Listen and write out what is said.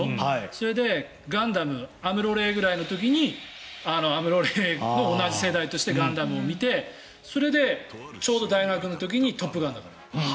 それで「ガンダム」アムロ・レイぐらいの時にアムロ・レイの同じ世代として「ガンダム」を見てそれでちょうど大学の時に「トップガン」だから。